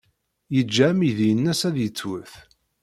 Yeǧǧa amidi-nnes ad yettwet.